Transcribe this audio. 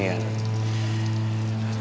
kenapa lo nyuruh gue omar